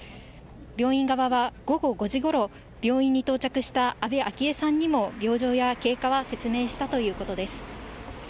病院側は午後５時ごろ、病院に到着した安倍昭恵さんにも病状や経過は説明したということです。